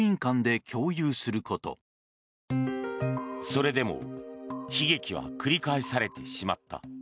それでも悲劇は繰り返されてしまった。